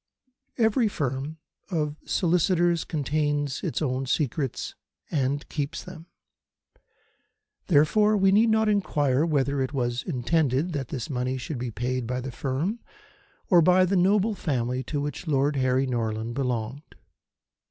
Every firm of solicitors contains its own secrets and keeps them. Therefore, we need not inquire whether it was intended that this money should be paid by the firm or by the noble family to which Lord Harry Norland belonged.